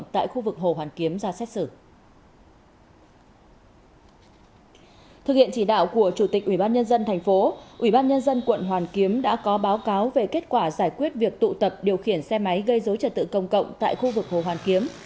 thực hiện chỉ đạo của chủ tịch ubnd tp ubnd quận hoàn kiếm đã có báo cáo về kết quả giải quyết việc tụ tập điều khiển xe máy gây dối trật tự công cộng tại khu vực hồ hoàn kiếm